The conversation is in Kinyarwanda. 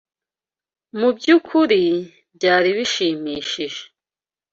Mu byukuri byari bishimishije.